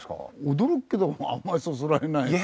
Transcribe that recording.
驚くけどもあんまりそそられない。